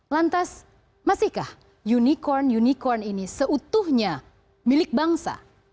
lantas masihkah unicorn unicorn ini seutuhnya milik bangsa